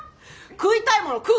食いたいもの食う！